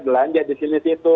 belanja di sini situ